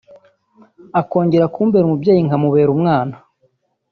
akongera kumbera umubyeyi nkamubera umwana